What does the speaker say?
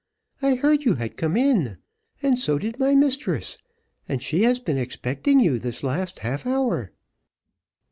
I heard you had come in and so did my mistress, and she has been expecting you this last half hour."